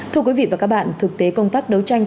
thưa quý vị và các bạn thực tế công tác đấu tranh